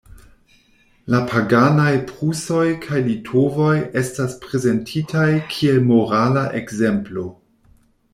La paganaj prusoj kaj litovoj estas prezentitaj kiel morala ekzemplo.